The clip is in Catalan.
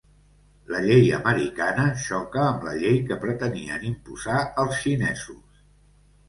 La llei americana xoca amb la llei que pretenien imposar els xinesos